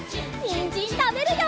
にんじんたべるよ！